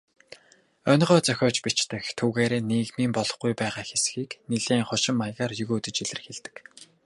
Онигоо зохиож бичдэг, түүгээрээ нийгмийн болохгүй байгаа хэсгийг нэлээн хошин маягаар егөөдөж илэрхийлдэг.